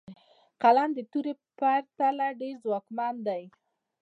قلم د تورې په پرتله ډېر ځواکمن دی.